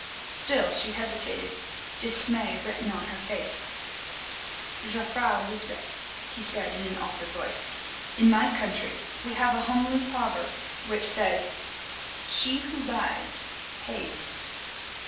Still she hesitated, dismay written on her face. "Jufvrouw Lysbeth," he said in an altered voice, "in my country we have a homely proverb which says, 'she who buys, pays.